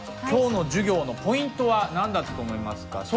今日の授業のポイントは何だったと思いますか？